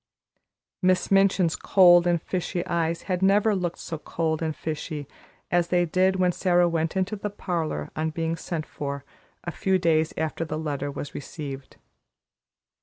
Miss Minchin's cold and fishy eyes had never looked so cold and fishy as they did when Sara went into the parlor, on being sent for, a few days after the letter was received.